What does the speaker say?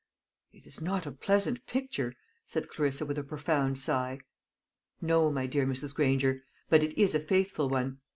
"It is not a pleasant picture," said Clarissa with a profound sigh. "No, my dear Mrs. Granger; but it is a faithful one.